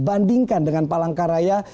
bandingkan dengan palangkaraya